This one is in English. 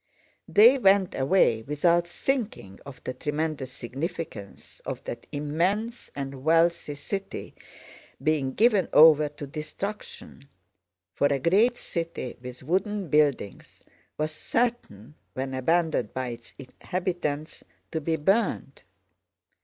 They went away without thinking of the tremendous significance of that immense and wealthy city being given over to destruction, for a great city with wooden buildings was certain when abandoned by its inhabitants to be burned.